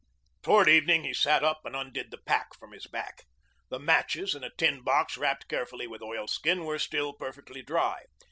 Toward evening he sat up and undid the pack from his back. The matches, in a tin box wrapped carefully with oilskin, were still perfectly dry.